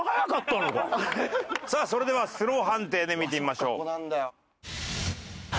さあそれではスロー判定で見てみましょう。